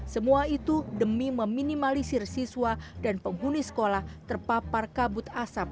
semua itu demi meminimalisir siswa dan penghuni sekolah terpapar kabut asap